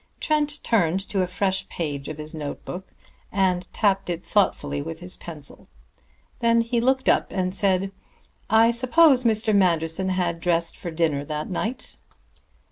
Trent turned to a fresh page of his notebook, and tapped it thoughtfully with his pencil. Then he looked up and said: "I suppose Mr. Manderson had dressed for dinner that night."